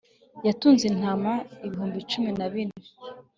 yatunze intama ibihumbi cumi na bine